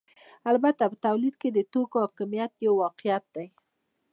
البته په تولید کې د توکو حاکمیت یو واقعیت دی